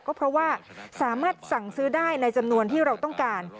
ก็เพราะว่าสามารถสั่งซื้อได้ในจำนวนที่เราต้องการ